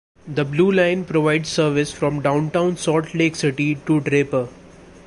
The Blue Line provides service from Downtown Salt Lake City to Draper.